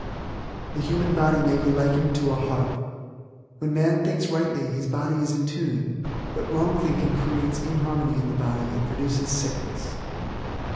The human body may be likened to a harp. When man thinks rightly his body is in tune; but wrong thinking creates inharmony in the body and produces sickness.